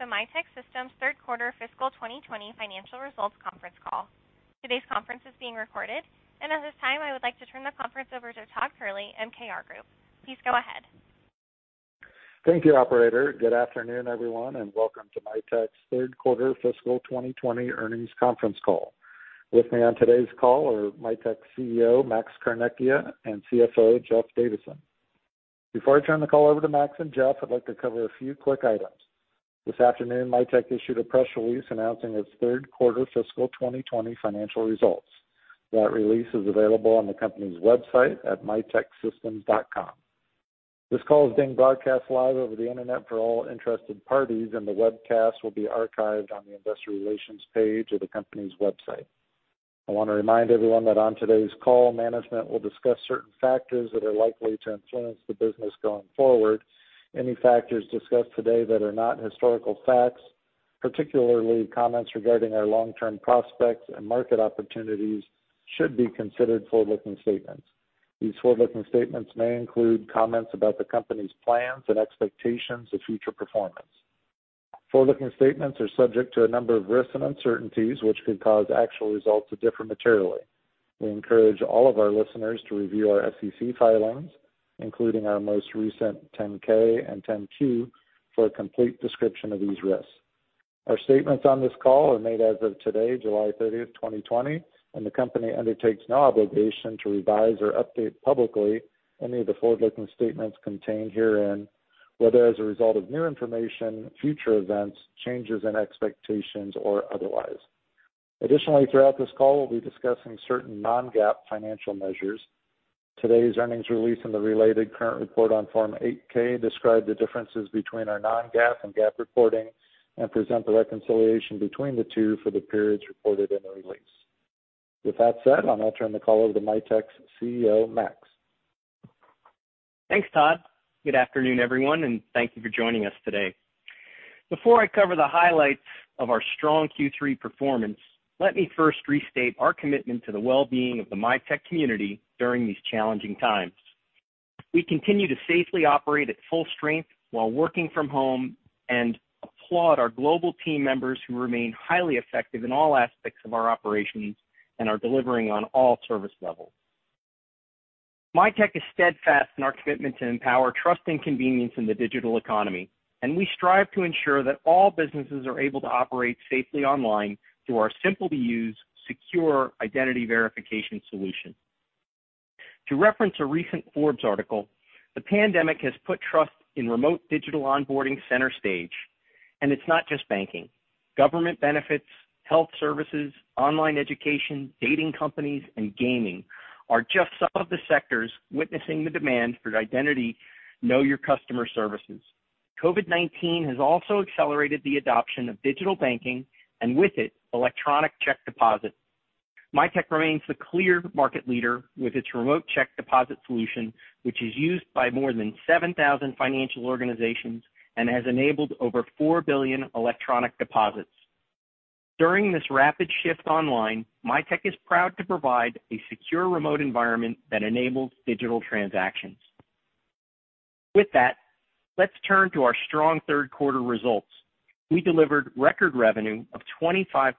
Good day, and welcome to the Mitek Systems third quarter fiscal 2020 financial results conference call. Today's conference is being recorded, and at this time, I would like to turn the conference over to Todd Kehrli, MKR Group. Please go ahead. Thank you, operator. Good afternoon, everyone, and welcome to Mitek's third quarter fiscal 2020 earnings conference call. With me on today's call are Mitek's CEO, Max Carnecchia, and CFO, Jeff Davison. Before I turn the call over to Max and Jeff, I'd like to cover a few quick items. This afternoon, Mitek issued a press release announcing its third quarter fiscal 2020 financial results. That release is available on the company's website at miteksystems.com. This call is being broadcast live over the internet for all interested parties, and the webcast will be archived on the investor relations page of the company's website. I want to remind everyone that on today's call, management will discuss certain factors that are likely to influence the business going forward. Any factors discussed today that are not historical facts, particularly comments regarding our long-term prospects and market opportunities, should be considered forward-looking statements. These forward-looking statements may include comments about the company's plans and expectations of future performance. Forward-looking statements are subject to a number of risks and uncertainties, which could cause actual results to differ materially. We encourage all of our listeners to review our SEC filings, including our most recent 10-K and 10-Q, for a complete description of these risks. Our statements on this call are made as of today, July 30th, 2020, and the company undertakes no obligation to revise or update publicly any of the forward-looking statements contained herein, whether as a result of new information, future events, changes in expectations, or otherwise. Additionally, throughout this call, we'll be discussing certain non-GAAP financial measures. Today's earnings release and the related current report on Form 8-K describe the differences between our non-GAAP and GAAP reporting and present the reconciliation between the two for the periods reported in the release. With that said, I'll now turn the call over to Mitek's CEO, Max. Thanks, Todd. Good afternoon, everyone, and thank you for joining us today. Before I cover the highlights of our strong Q3 performance, let me first restate our commitment to the well-being of the Mitek community during these challenging times. We continue to safely operate at full strength while working from home and applaud our global team members who remain highly effective in all aspects of our operations and are delivering on all service levels. Mitek is steadfast in our commitment to empower trust and convenience in the digital economy, and we strive to ensure that all businesses are able to operate safely online through our simple-to-use, secure identity verification solution. To reference a recent Forbes article, the pandemic has put trust in remote digital onboarding center stage, and it's not just banking. Government benefits, health services, online education, dating companies, and gaming are just some of the sectors witnessing the demand for identity Know Your Customer services. COVID-19 has also accelerated the adoption of digital banking, and with it, electronic check deposits. Mitek remains the clear market leader with its remote check deposit solution, which is used by more than 7,000 financial organizations and has enabled over 4 billion electronic deposits. During this rapid shift online, Mitek is proud to provide a secure remote environment that enables digital transactions. With that, let's turn to our strong third quarter results. We delivered record revenue of $25.4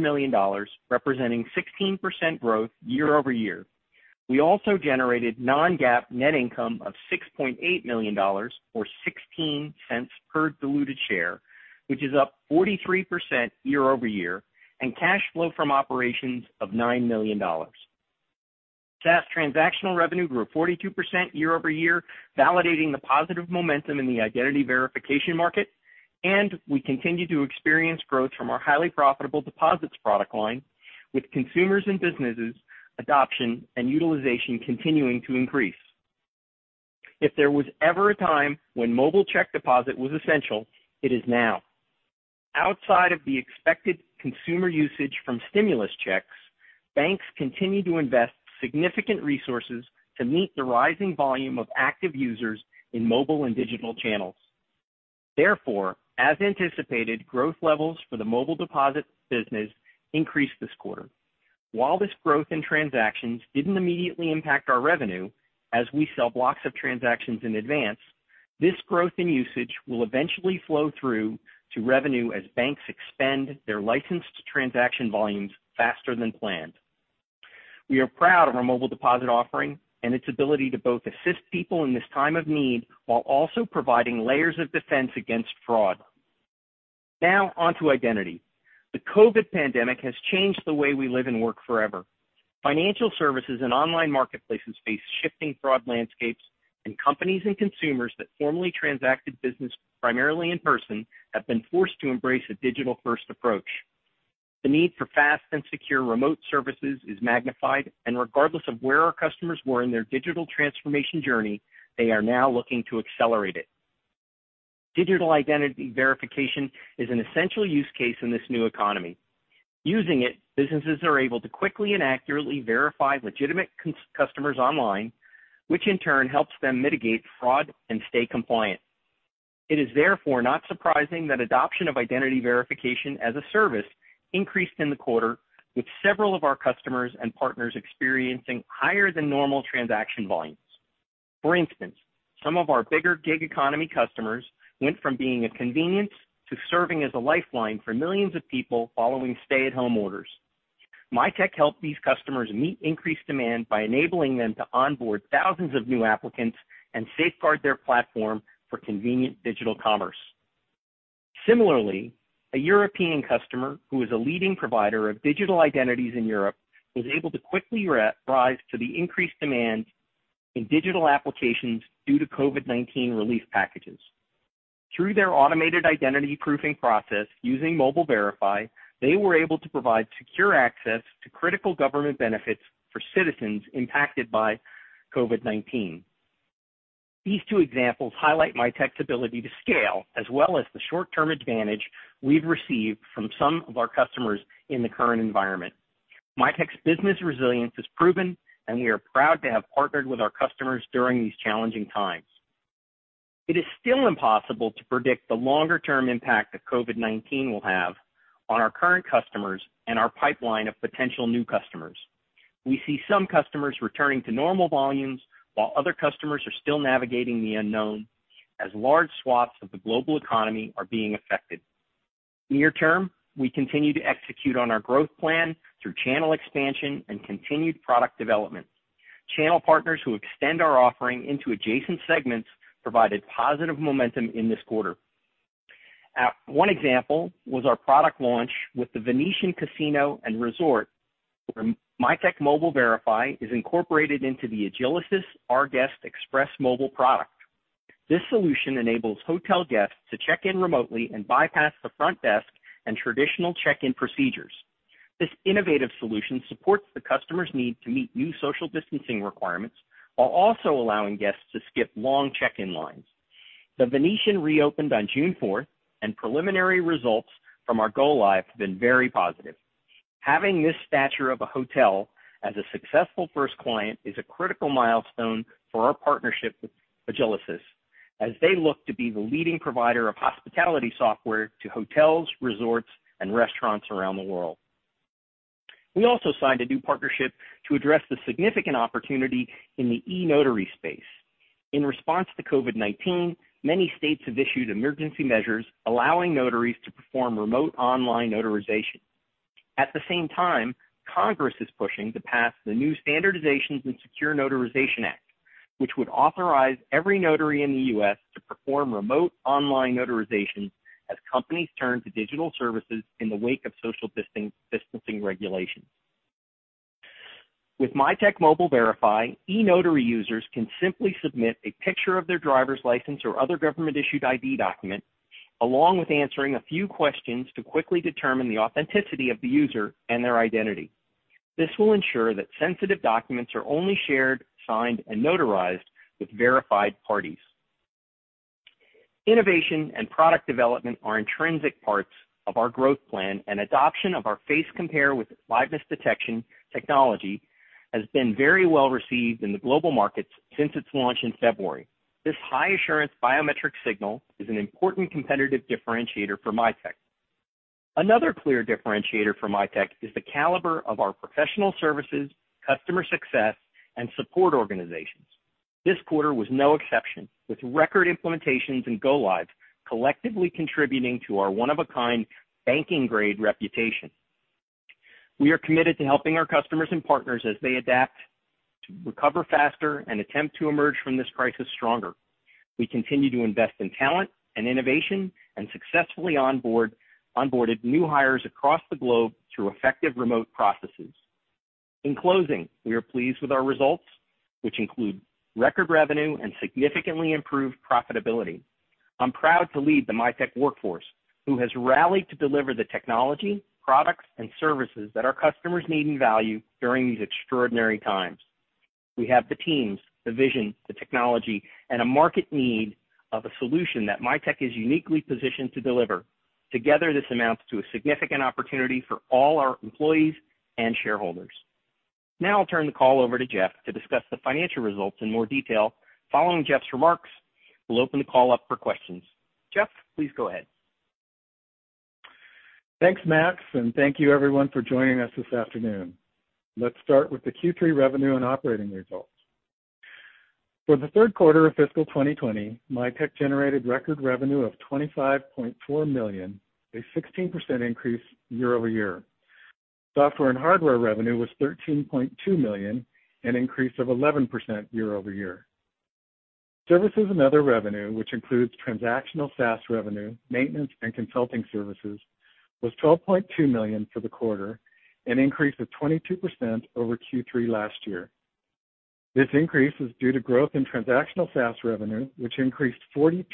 million, representing 16% growth year-over-year. We also generated non-GAAP net income of $6.8 million, or $0.16 per diluted share, which is up 43% year-over-year, and cash flow from operations of $9 million. SaaS transactional revenue grew 42% year-over-year, validating the positive momentum in the identity verification market, and we continue to experience growth from our highly profitable deposits product line, with consumers and businesses' adoption and utilization continuing to increase. If there was ever a time when Mobile Deposit was essential, it is now. Outside of the expected consumer usage from stimulus checks, banks continue to invest significant resources to meet the rising volume of active users in mobile and digital channels. Therefore, as anticipated, growth levels for the Mobile Deposit business increased this quarter. While this growth in transactions didn't immediately impact our revenue, as we sell blocks of transactions in advance, this growth in usage will eventually flow through to revenue as banks expend their licensed transaction volumes faster than planned. We are proud of our Mobile Deposit offering and its ability to both assist people in this time of need while also providing layers of defense against fraud. Now on to identity. The COVID-19 pandemic has changed the way we live and work forever. Financial services and online marketplaces face shifting fraud landscapes, and companies and consumers that formerly transacted business primarily in person have been forced to embrace a digital-first approach. The need for fast and secure remote services is magnified, and regardless of where our customers were in their digital transformation journey, they are now looking to accelerate it. Digital identity verification is an essential use case in this new economy. Using it, businesses are able to quickly and accurately verify legitimate customers online, which in turn helps them mitigate fraud and stay compliant. It is therefore not surprising that adoption of identity verification as a service increased in the quarter, with several of our customers and partners experiencing higher than normal transaction volumes. For instance, some of our bigger gig economy customers went from being a convenience to serving as a lifeline for millions of people following stay-at-home orders. Mitek helped these customers meet increased demand by enabling them to onboard thousands of new applicants and safeguard their platform for convenient digital commerce. Similarly, a European customer who is a leading provider of digital identities in Europe, was able to quickly rise to the increased demand in digital applications due to COVID-19 relief packages. Through their automated identity proofing process using Mobile Verify, they were able to provide secure access to critical government benefits for citizens impacted by COVID-19. These two examples highlight Mitek's ability to scale, as well as the short-term advantage we've received from some of our customers in the current environment. Mitek's business resilience is proven, and we are proud to have partnered with our customers during these challenging times. It is still impossible to predict the longer-term impact that COVID-19 will have on our current customers and our pipeline of potential new customers. We see some customers returning to normal volumes, while other customers are still navigating the unknown as large swaths of the global economy are being affected. Near term, we continue to execute on our growth plan through channel expansion and continued product development. Channel partners who extend our offering into adjacent segments provided positive momentum in this quarter. One example was our product launch with The Venetian Resort, where Mitek Mobile Verify is incorporated into the Agilysys rGuest Express Mobile product. This solution enables hotel guests to check in remotely and bypass the front desk and traditional check-in procedures. This innovative solution supports the customer's need to meet new social distancing requirements while also allowing guests to skip long check-in lines. The Venetian reopened on June fourth, and preliminary results from our go-live have been very positive. Having this stature of a hotel as a successful first client is a critical milestone for our partnership with Agilysys as they look to be the leading provider of hospitality software to hotels, resorts, and restaurants around the world. We also signed a new partnership to address the significant opportunity in the eNotary space. In response to COVID-19, many states have issued emergency measures allowing notaries to perform remote online notarization. Congress is pushing to pass the new Securing and Enabling Commerce Using Remote and Electronic Notarization Act, which would authorize every notary in the U.S. to perform remote online notarization as companies turn to digital services in the wake of social distancing regulations. With Mitek Mobile Verify, eNotary users can simply submit a picture of their driver's license or other government-issued ID document, along with answering a few questions to quickly determine the authenticity of the user and their identity. This will ensure that sensitive documents are only shared, signed, and notarized with verified parties. Innovation and product development are intrinsic parts of our growth plan, and adoption of our Face Comparison with Liveness Detection technology has been very well-received in the global markets since its launch in February. This high-assurance biometric signal is an important competitive differentiator for Mitek. Another clear differentiator for Mitek is the caliber of our professional services, customer success, and support organizations. This quarter was no exception, with record implementations and go-lives collectively contributing to our one-of-a-kind banking-grade reputation. We are committed to helping our customers and partners as they adapt to recover faster and attempt to emerge from this crisis stronger. We continue to invest in talent and innovation, and successfully onboarded new hires across the globe through effective remote processes. In closing, we are pleased with our results, which include record revenue and significantly improved profitability. I'm proud to lead the Mitek workforce, who has rallied to deliver the technology, products, and services that our customers need and value during these extraordinary times. We have the teams, the vision, the technology, and a market need of a solution that Mitek is uniquely positioned to deliver. Together, this amounts to a significant opportunity for all our employees and shareholders. I'll turn the call over to Jeff to discuss the financial results in more detail. Following Jeff's remarks, we'll open the call up for questions. Jeff, please go ahead. Thanks, Max. Thank you everyone for joining us this afternoon. Let's start with the Q3 revenue and operating results. For the third quarter of fiscal 2020, Mitek generated record revenue of $25.4 million, a 16% increase year-over-year. Software and hardware revenue was $13.2 million, an increase of 11% year-over-year. Services and other revenue, which includes transactional SaaS revenue, maintenance, and consulting services, was $12.2 million for the quarter, an increase of 22% over Q3 last year. This increase is due to growth in transactional SaaS revenue, which increased 42%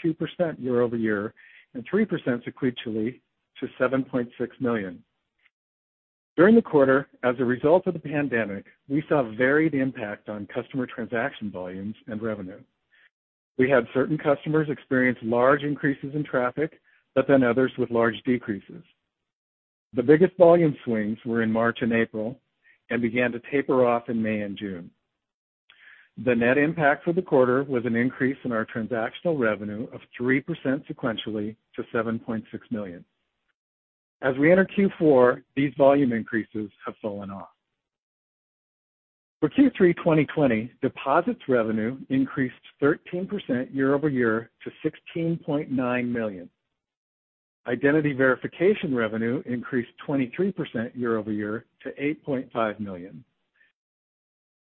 year-over-year and 3% sequentially to $7.6 million. During the quarter, as a result of the pandemic, we saw varied impact on customer transaction volumes and revenue. We had certain customers experience large increases in traffic. Others with large decreases. The biggest volume swings were in March and April and began to taper off in May and June. The net impact for the quarter was an increase in our transactional revenue of 3% sequentially to $7.6 million. We enter Q4, these volume increases have fallen off. For Q3 2020, deposits revenue increased 13% year-over-year to $16.9 million. Identity verification revenue increased 23% year-over-year to $8.5 million.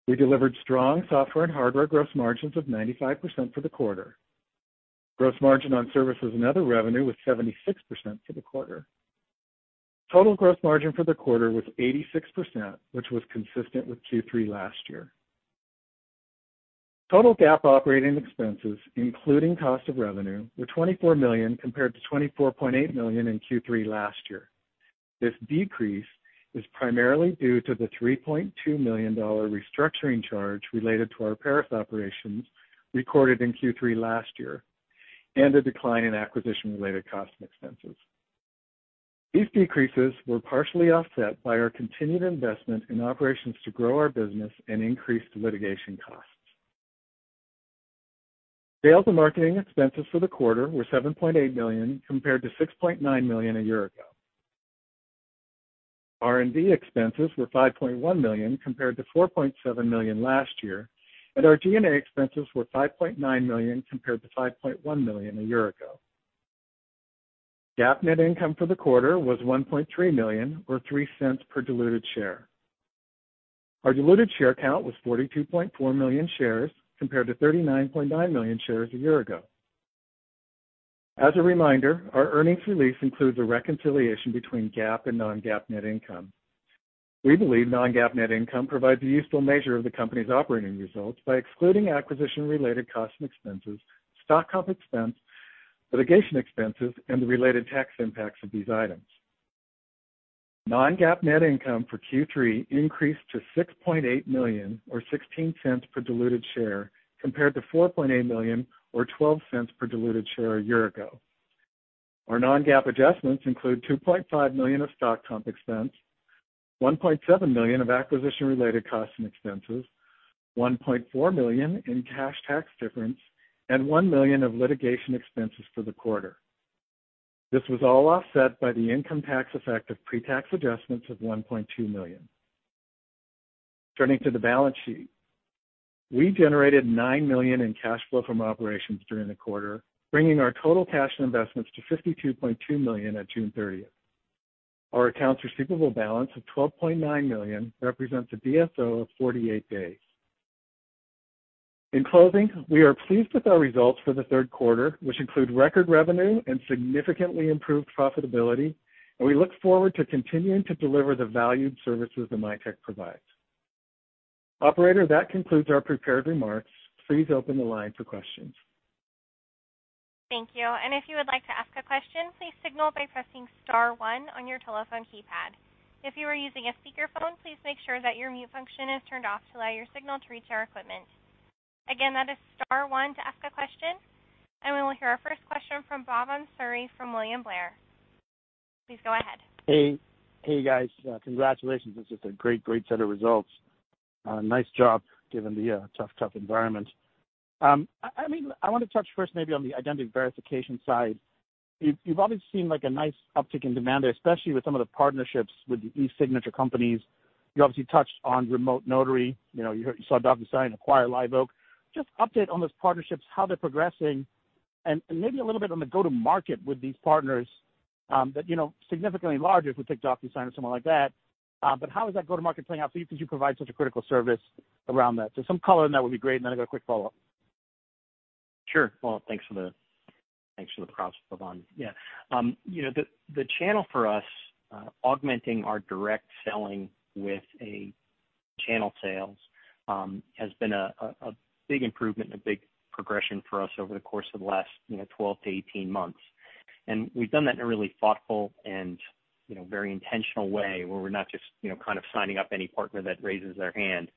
We delivered strong software and hardware gross margins of 95% for the quarter. Gross margin on services and other revenue was 76% for the quarter. Total gross margin for the quarter was 86%, which was consistent with Q3 last year. Total GAAP operating expenses, including cost of revenue, were $24 million compared to $24.8 million in Q3 last year. This decrease is primarily due to the $3.2 million restructuring charge related to our Paris operations recorded in Q3 last year, and a decline in acquisition-related costs and expenses. These decreases were partially offset by our continued investment in operations to grow our business and increase litigation costs. Sales and marketing expenses for the quarter were $7.8 million compared to $6.9 million a year ago. R&D expenses were $5.1 million compared to $4.7 million last year, and our G&A expenses were $5.9 million compared to $5.1 million a year ago. GAAP net income for the quarter was $1.3 million, or $0.03 per diluted share. Our diluted share count was 42.4 million shares compared to 39.9 million shares a year ago. As a reminder, our earnings release includes a reconciliation between GAAP and non-GAAP net income. We believe non-GAAP net income provides a useful measure of the company's operating results by excluding acquisition-related costs and expenses, stock comp expense, litigation expenses, and the related tax impacts of these items. Non-GAAP net income for Q3 increased to $6.8 million or $0.16 per diluted share compared to $4.8 million or $0.12 per diluted share a year ago. Our non-GAAP adjustments include $2.5 million of stock comp expense, $1.7 million of acquisition-related costs and expenses, $1.4 million in cash tax difference, and $1 million of litigation expenses for the quarter. This was all offset by the income tax effect of pre-tax adjustments of $1.2 million. Turning to the balance sheet. We generated $9 million in cash flow from operations during the quarter, bringing our total cash investments to $52.2 million on June 30th. Our accounts receivable balance of $12.9 million represents a DSO of 48 days. In closing, we are pleased with our results for the third quarter, which include record revenue and significantly improved profitability, and we look forward to continuing to deliver the valued services that Mitek provides. Operator, that concludes our prepared remarks. Please open the line for questions. Thank you. If you would like to ask a question, please signal by pressing star one on your telephone keypad. If you are using a speakerphone, please make sure that your mute function is turned off to allow your signal to reach our equipment. Again, that is star one to ask a question, and we will hear our first question from Bhavan Suri from William Blair. Please go ahead. Hey, guys. Congratulations. It's just a great set of results. Nice job given the tough environment. I want to touch first maybe on the identity verification side. You've obviously seen a nice uptick in demand there, especially with some of the partnerships with the e-signature companies. You obviously touched on remote notary. You saw DocuSign acquire Liveoak Technologies. Just update on those partnerships, how they're progressing, and maybe a little bit on the go-to-market with these partners that significantly larger if we take DocuSign or someone like that. How is that go-to-market playing out for you because you provide such a critical service around that? Some color on that would be great, and then I got a quick follow-up. Sure. Well, thanks for the props, Bhavan. Yeah. The channel for us, augmenting our direct selling with a channel sales, has been a big improvement and a big progression for us over the course of the last 12-18 months. We've done that in a really thoughtful and very intentional way where we're not just kind of signing up any partner that raises their hand.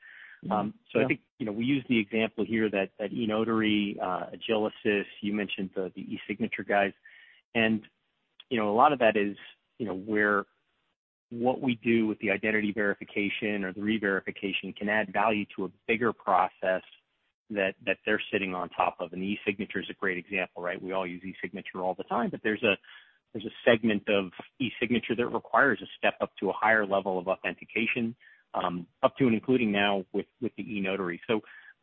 Yeah. I think we use the example here that eNotary, Agilysys, you mentioned the e-signature guys. A lot of that is where what we do with the identity verification or the re-verification can add value to a bigger process that they're sitting on top of. E-signature is a great example, right? We all use e-signature all the time, but there's a segment of e-signature that requires a step up to a higher level of authentication, up to and including now with the eNotary.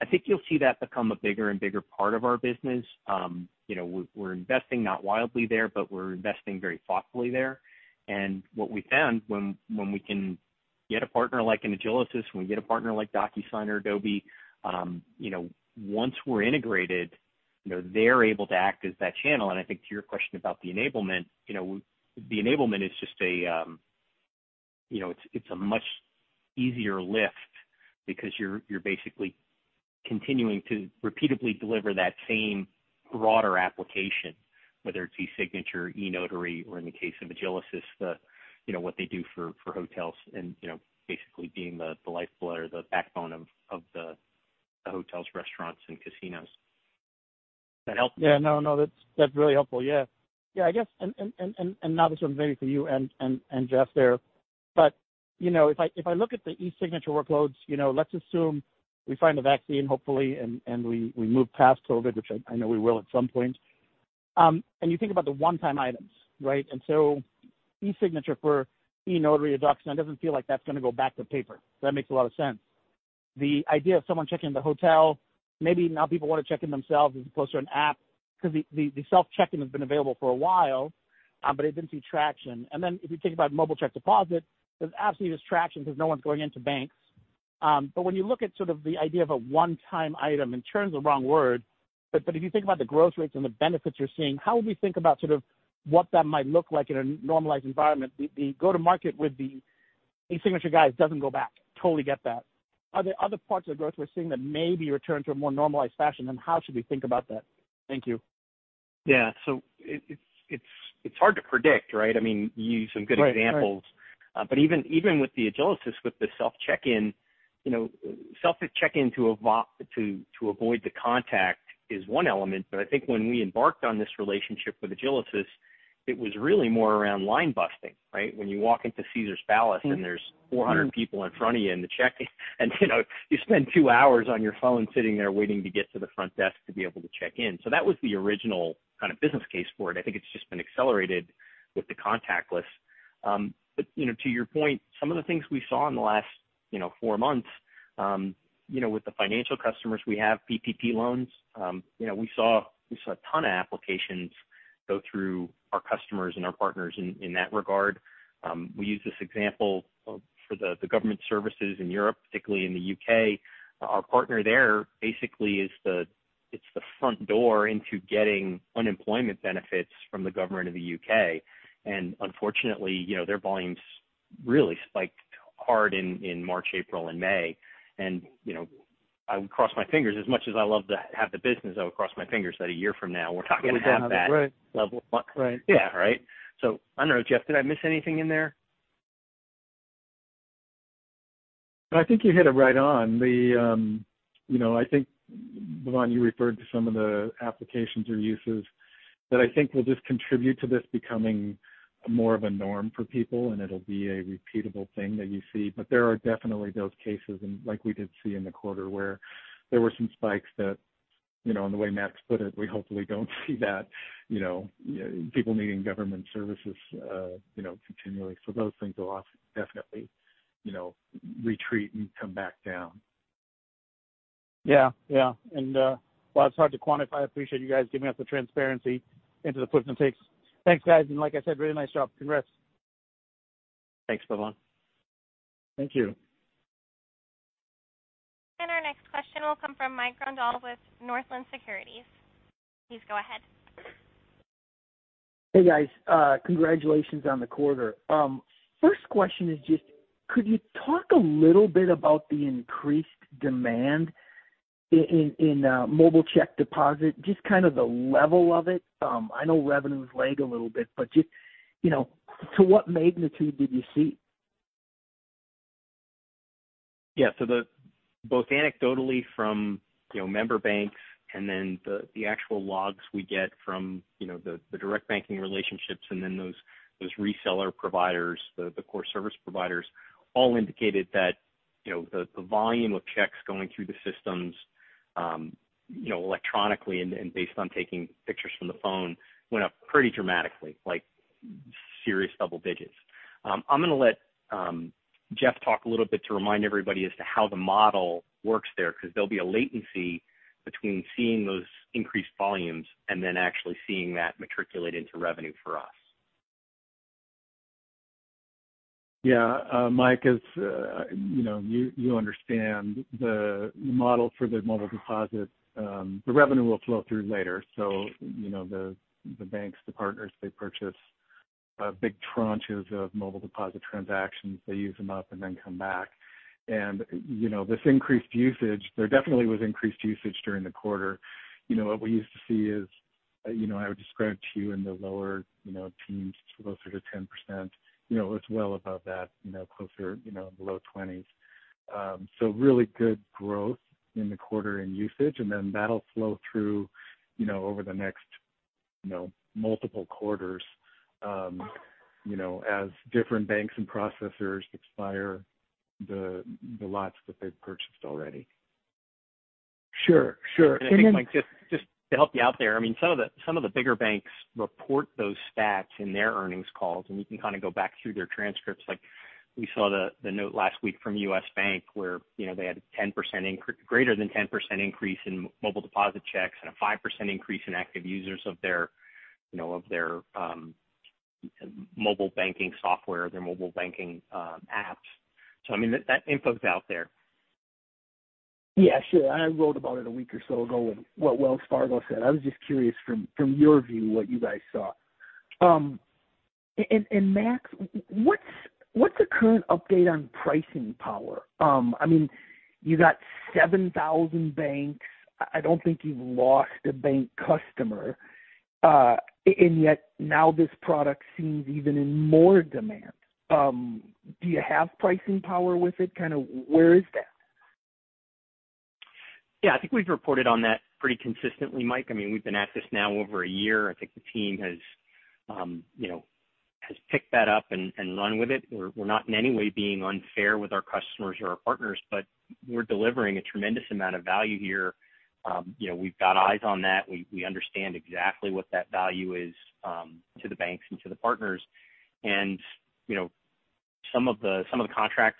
I think you'll see that become a bigger and bigger part of our business. We're investing not wildly there, but we're investing very thoughtfully there. What we found when we can get a partner like an Agilysys, when we get a partner like DocuSign or Adobe, once we're integrated, they're able to act as that channel. I think to your question about the enablement, the enablement it's a much easier lift because you're basically continuing to repeatably deliver that same broader application, whether it's e-signature, eNotary, or in the case of Agilysys, what they do for hotels and basically being the lifeblood or the backbone of the hotels, restaurants, and casinos. That help? No, that's really helpful. Yeah. I guess, now this one maybe for you and Jeff there. If I look at the e-signature workloads, let's assume we find a vaccine, hopefully, and we move past COVID-19, which I know we will at some point. You think about the one-time items, right? e-signature for eNotary adoption, it doesn't feel like that's going to go back to paper. That makes a lot of sense. The idea of someone checking into a hotel, maybe now people want to check in themselves as opposed to an app, because the self-check-in has been available for a while, but it didn't see traction. If you think about Mobile Deposit, there's absolutely this traction because no one's going into banks. When you look at sort of the idea of a one-time item, in terms, the wrong word, but if you think about the growth rates and the benefits you're seeing, how would we think about sort of what that might look like in a normalized environment? The go-to-market with the e-signature guys doesn't go back. Totally get that. Are there other parts of the growth we're seeing that maybe return to a more normalized fashion, and how should we think about that? Thank you. Yeah. It's hard to predict, right? I mean, you used some good examples. Right. Even with the Agilysys, with the self-check-in, self-check-in to avoid the contact is one element, but I think when we embarked on this relationship with Agilysys, it was really more around line busting, right? When you walk into Caesars Palace and there's 400 people in front of you in the check-in, and you spend two hours on your phone sitting there waiting to get to the front desk to be able to check in. That was the original kind of business case for it. I think it's just been accelerated with the contactless. To your point, some of the things we saw in the last four months, with the financial customers we have, PPP loans. We saw a ton of applications go through our customers and our partners in that regard. We use this example for the government services in Europe, particularly in the U.K. Our partner there basically is the front door into getting unemployment benefits from the government of the U.K. Unfortunately, their volumes really spiked hard in March, April, and May. I would cross my fingers as much as I love to have the business, I would cross my fingers that a year from now we're talking. We don't have it. Right. level. Right. Yeah. Right. I don't know, Jeff, did I miss anything in there? No, I think you hit it right on. I think, Bhavan, you referred to some of the applications or uses that I think will just contribute to this becoming more of a norm for people, and it'll be a repeatable thing that you see. There are definitely those cases, and like we did see in the quarter, where there were some spikes that, in the way Max put it, we hopefully don't see that, people needing government services continually. Those things will definitely retreat and come back down. Yeah. While it's hard to quantify, I appreciate you guys giving us the transparency into the puts and takes. Thanks, guys, and like I said, really nice job. Congrats. Thanks, Bhavan. Thank you. Our next question will come from Mike Grondahl with Northland Securities. Please go ahead. Hey, guys. Congratulations on the quarter. First question is just, could you talk a little bit about the increased demand in Mobile Deposit, just kind of the level of it? I know revenues lag a little bit, but just to what magnitude did you see? Yeah. Both anecdotally from member banks and then the actual logs we get from the direct banking relationships and then those reseller providers, the core service providers, all indicated that the volume of checks going through the systems electronically and based on taking pictures from the phone went up pretty dramatically, like serious double digits. I'm going to let Jeff talk a little bit to remind everybody as to how the model works there, because there'll be a latency between seeing those increased volumes and then actually seeing that matriculate into revenue for us. Mike, as you understand the model for the Mobile Deposit, the revenue will flow through later. The banks, the partners, they purchase big tranches of Mobile Deposit transactions. They use them up and then come back. This increased usage, there definitely was increased usage during the quarter. What we used to see is, I would describe to you in the lower teens to closer to 10%. It was well above that, closer below 20%. Really good growth in the quarter in usage, and then that'll flow through over the next multiple quarters as different banks and processors expire the lots that they've purchased already. Sure. I think, Mike, just to help you out there, some of the bigger banks report those stats in their earnings calls, and you can kind of go back through their transcripts. We saw the note last week from U.S. Bank where they had a greater than 10% increase in mobile deposit checks and a 5% increase in active users of their mobile banking software, their mobile banking apps. That info's out there. Yeah, sure. I wrote about it a week or so ago, what Wells Fargo said. I was just curious from your view, what you guys saw. Max, what's the current update on pricing power? You got 7,000 banks. I don't think you've lost a bank customer. Yet now this product seems even in more demand. Do you have pricing power with it? Kind of where is that? Yeah, I think we've reported on that pretty consistently, Mike. We've been at this now over a year. I think the team has picked that up and run with it. We're not in any way being unfair with our customers or our partners, but we're delivering a tremendous amount of value here. We've got eyes on that. We understand exactly what that value is to the banks and to the partners. Some of the contracts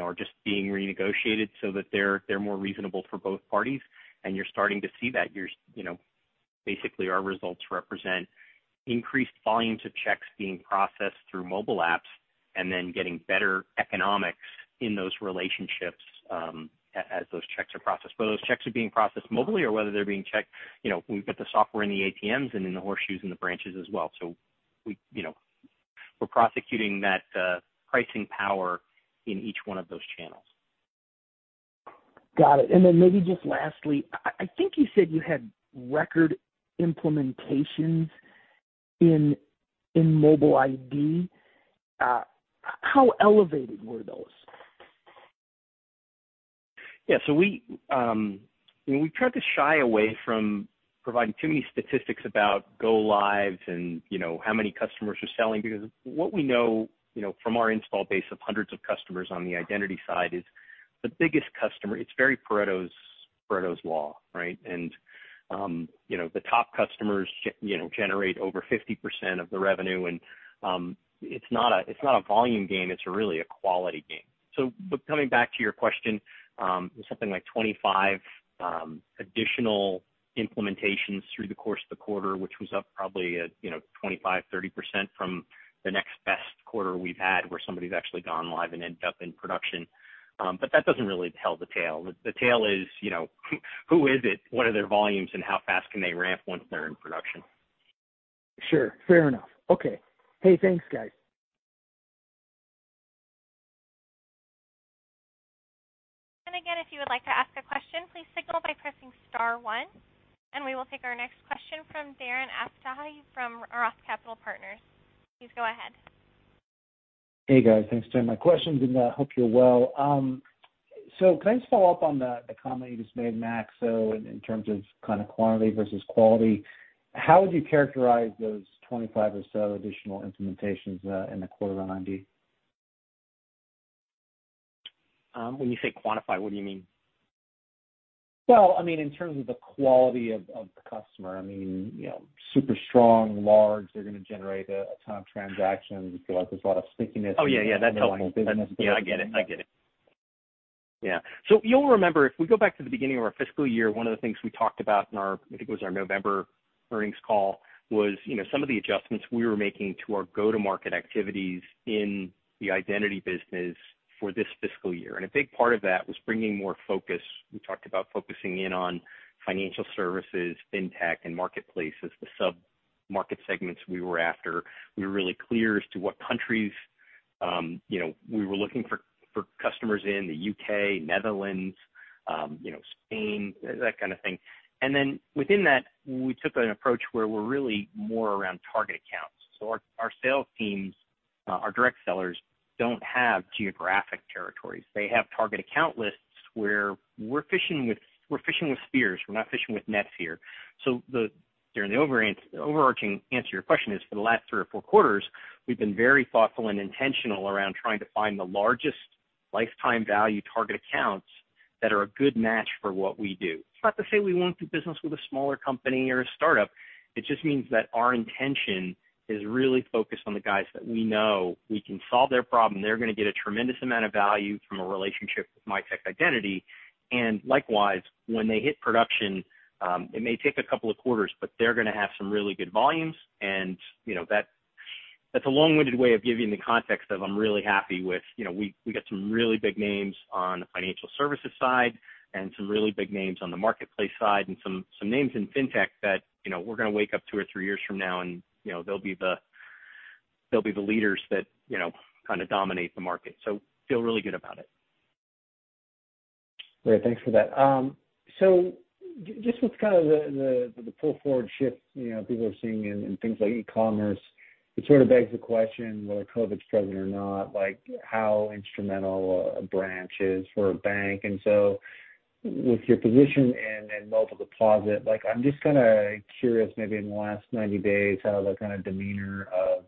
are just being renegotiated so that they're more reasonable for both parties, and you're starting to see that. Basically, our results represent increased volumes of checks being processed through mobile apps and then getting better economics in those relationships as those checks are processed. Whether those checks are being processed mobilely or whether they're being checked, we've got the software in the ATMs and in the kiosks in the branches as well. We're prosecuting that pricing power in each one of those channels. Got it. Maybe just lastly, I think you said you had record implementations in Mobile ID. How elevated were those? Yeah. We try to shy away from providing too many statistics about go lives and how many customers are selling, because what we know from our install base of hundreds of customers on the identity side is the biggest customer, it's very Pareto principle, right? The top customers generate over 50% of the revenue, and it's not a volume game. It's really a quality game. Coming back to your question, something like 25 additional implementations through the course of the quarter, which was up probably at 25%-30% from the next best quarter we've had where somebody's actually gone live and ended up in production. That doesn't really tell the tale. The tale is who is it? What are their volumes, and how fast can they ramp once they're in production? Sure. Fair enough. Okay. Hey, thanks, guys. Again, if you would like to ask a question, please signal by pressing star one, and we will take our next question from Darren Aftahi from Roth Capital Partners. Please go ahead. Hey, guys. Thanks for taking my question, and hope you're well. Can I just follow up on the comment you just made, Max, so in terms of kind of quantity versus quality. How would you characterize those 25 or so additional implementations in the quarter on ID? When you say quantify, what do you mean? Well, in terms of the quality of the customer. Super strong, large, they're going to generate a ton of transactions. You feel like there's a lot of stickiness. Oh, yeah. That helps. in the line of business. I get it. I get it. You'll remember, if we go back to the beginning of our fiscal year, one of the things we talked about in our, I think it was our November earnings call, was some of the adjustments we were making to our go-to-market activities in the identity business for this fiscal year. A big part of that was bringing more focus. We talked about focusing in on financial services, fintech, and marketplaces, the sub-market segments we were after. We were really clear as to what countries we were looking for customers in, the U.K., Netherlands, Spain, that kind of thing. Then within that, we took an approach where we're really more around target accounts. Our sales teams, our direct sellers, don't have geographic territories. They have target account lists where we're fishing with spears. We're not fishing with nets here. The overarching answer to your question is, for the last three or four quarters, we've been very thoughtful and intentional around trying to find the largest lifetime value target accounts that are a good match for what we do. It's not to say we won't do business with a smaller company or a startup. It just means that our intention is really focused on the guys that we know we can solve their problem. They're going to get a tremendous amount of value from a relationship with Mitek Identity. Likewise, when they hit production, it may take a couple of quarters, but they're going to have some really good volumes. That's a long-winded way of giving the context of I'm really happy with we got some really big names on the financial services side and some really big names on the marketplace side and some names in fintech that we're going to wake up two or three years from now and they'll be the leaders that kind of dominate the market. Feel really good about it. Great. Thanks for that. Just with kind of the pull-forward shift people are seeing in things like e-commerce, it sort of begs the question, whether COVID's present or not, how instrumental a branch is for a bank. With your position in Mobile Deposit, I'm just kind of curious, maybe in the last 90 days, how the kind of demeanor of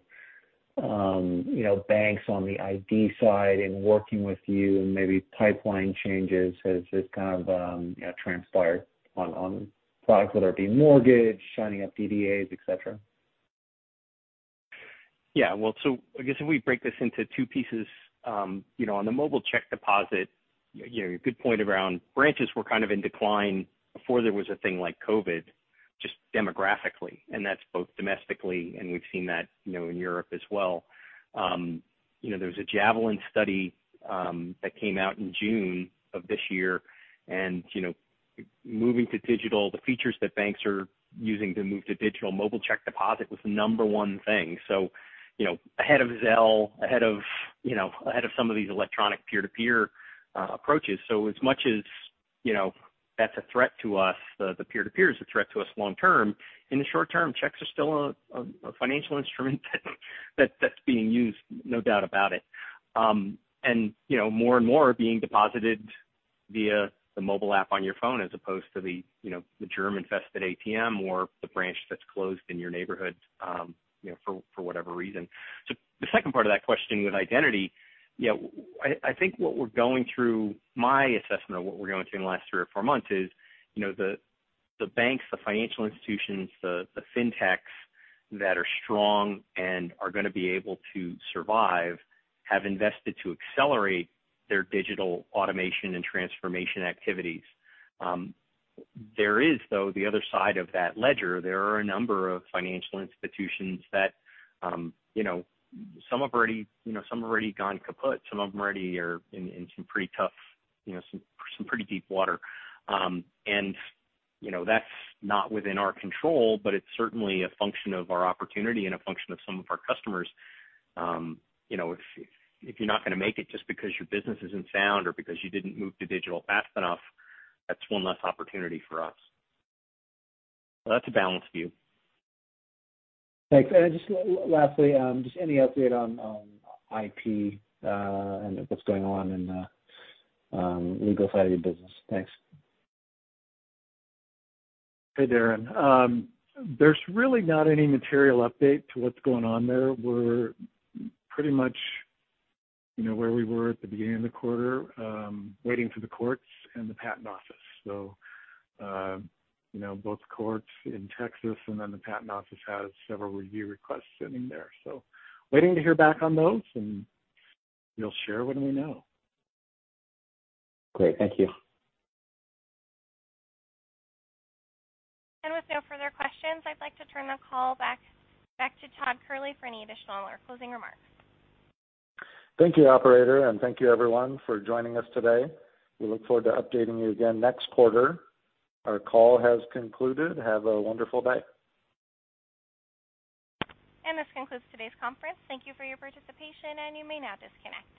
banks on the ID side and working with you and maybe pipeline changes has kind of transpired on products, whether it be mortgage, signing up DDAs, et cetera. Yeah. Well, I guess if we break this into two pieces. On the Mobile Deposit, good point around branches were kind of in decline before there was a thing like COVID-19, just demographically, and that's both domestically, and we've seen that in Europe as well. There was a Javelin study that came out in June of this year moving to digital, the features that banks are using to move to digital Mobile Deposit was the number one thing. Ahead of Zelle, ahead of some of these electronic peer-to-peer approaches. As much as that's a threat to us, the peer-to-peer is a threat to us long-term. In the short term, checks are still a financial instrument that's being used, no doubt about it. More and more are being deposited via the mobile app on your phone as opposed to the germ-infested ATM or the branch that's closed in your neighborhood for whatever reason. The second part of that question with identity, I think what we're going through, my assessment of what we're going through in the last three or four months is, the banks, the financial institutions, the fintechs that are strong and are going to be able to survive, have invested to accelerate their digital automation and transformation activities. There is, though, the other side of that ledger. There are a number of financial institutions that some have already gone kaput. Some of them already are in some pretty deep water. That's not within our control, but it's certainly a function of our opportunity and a function of some of our customers. If you're not going to make it just because your business isn't sound or because you didn't move to digital fast enough, that's one less opportunity for us. That's a balanced view. Thanks. Just lastly, just any update on IP, and what's going on in the legal side of your business? Thanks. Hey, Darren. There's really not any material update to what's going on there. We're pretty much where we were at the beginning of the quarter, waiting for the courts and the patent office. Both courts in Texas and then the patent office has several review requests sitting there. Waiting to hear back on those, and we'll share when we know. Great. Thank you. With no further questions, I'd like to turn the call back to Todd Kehrli for any additional or closing remarks. Thank you, operator, and thank you everyone for joining us today. We look forward to updating you again next quarter. Our call has concluded. Have a wonderful day. This concludes today's conference. Thank you for your participation, and you may now disconnect.